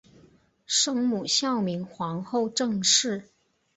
生母孝明皇后郑氏。